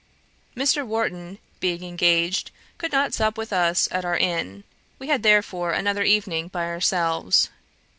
Mr. Warton, being engaged, could not sup with us at our inn; we had therefore another evening by ourselves.